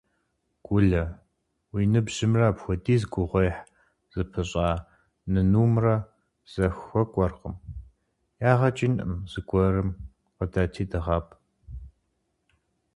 Гулэ, уи ныбжьымрэ апхуэдиз гугъуехь зыпыщӀа нынумрэ зэхуэкӀуэркъым. Ягъэ кӀынкъым, зыгуэрым къыдэти дыгъэпӀ.